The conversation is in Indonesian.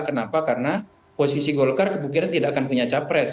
kenapa karena posisi golkar kemungkinan tidak akan punya capres